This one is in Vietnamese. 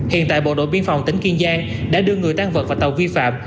hiện tại bộ đội biên phòng tỉnh kiên giang đã đưa người tan vật vào tàu vi phạm